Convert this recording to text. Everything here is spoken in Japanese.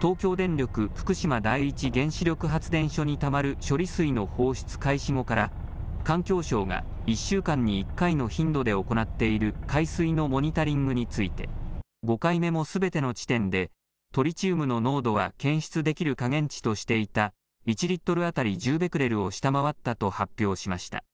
東京電力福島第一原子力発電所にたまる処理水の放出開始後から環境省が１週間に１回の頻度で行っている海水のモニタリングについて５回目もすべての地点でトリチウムの濃度は検出できる下限値としていた１リットル当たり１０ベクレルを下回ったと発表しました。